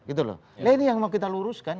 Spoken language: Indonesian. nah ini yang mau kita luruskan